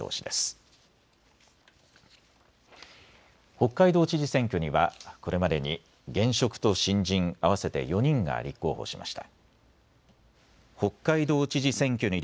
北海道知事選挙にはこれまでに現職と新人合わせて４人が立候補しました。